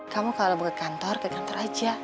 kamu kalau mau ke kantor ke kantor aja